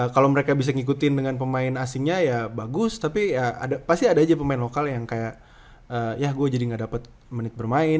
kalau mereka bisa ngikutin dengan pemain asingnya ya bagus tapi pasti ada aja pemain lokal yang kayak ya gue jadi gak dapet menit bermain